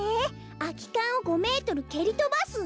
「空き缶を５メートル蹴りとばす」？